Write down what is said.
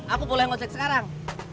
aku boleh ngajek sekarang